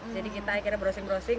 jadi kita akhirnya browsing browsing